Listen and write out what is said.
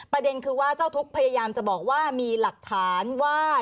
ประเด็นคือว่าเจ้าทุกข์พยายามจะบอกว่ามีหลักฐานว่า